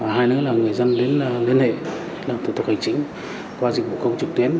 hai nữa là người dân đến liên hệ làm thực tập hành chính qua dịch vụ công trực tuyến